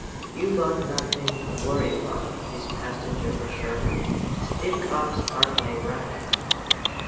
"You got nothin' to worry about," his passenger assured him. "Stick ups ain't my racket."